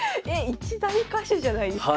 一大歌手じゃないですか。